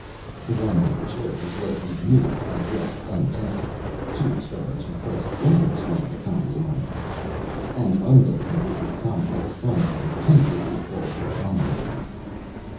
The one they chose was a new, as yet untested ("Two experiments for the price of one," explained economy minded officials) and unbelievably complex compound tentatively called Omnidrene.